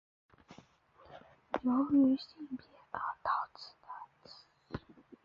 由于性别而导致的歧视。